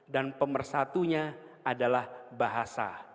dan pemersatunya adalah bahasa